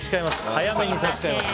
早めに差し替えます。